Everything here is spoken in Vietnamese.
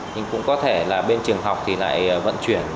nhưng cũng có thể là bên trường học thì lại vận chuyển